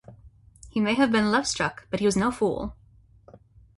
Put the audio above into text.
He may have been lovestruck, but he was no fool.